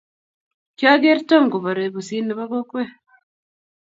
kiageer Tom kuporee pusit nebo kokwee